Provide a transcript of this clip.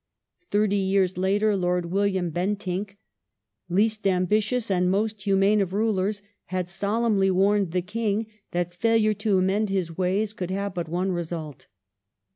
Thirty years later Lord William Ben tinck, least ambitious and most humane of rulei"s, had solemnly warned the King that failure to amend his ways could have but one result.